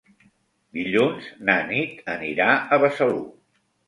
Dilluns na Nit anirà a Besalú.